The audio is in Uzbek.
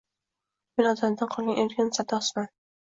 Men otamdan qolgan erkin sado-sasman